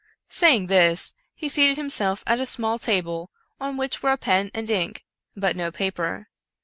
Saying this, he seated him self at a small table, on which were a pen and ink, but no paper.